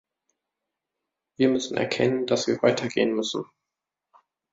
Wir müssen erkennen, dass wir weitergehen müssen.